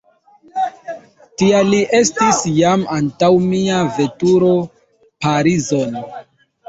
Tia li estis jam antaŭ mia veturo Parizon.